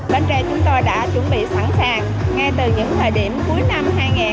bến tre chúng tôi đã chuẩn bị sẵn sàng ngay từ những thời điểm cuối năm hai nghìn hai mươi một